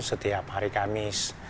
setiap hari kamis